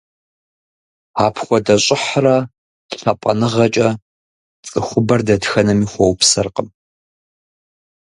Апхуэдэ щӀыхьрэ лъапӀэныгъэкӀэ цӀыхубэр дэтхэнэми хуэупсэркъым.